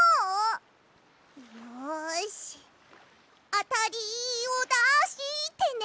あたりをだしてね